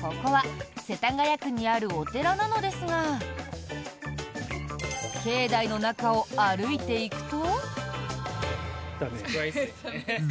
ここは世田谷区にあるお寺なのですが境内の中を歩いていくと。